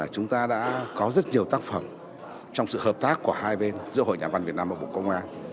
chúng ta đã có rất nhiều tác phẩm trong sự hợp tác của hai bên giữa hội nhà văn việt nam và bộ công an